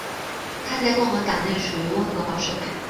他在共和党内属于温和保守派。